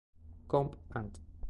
Comp "Ant.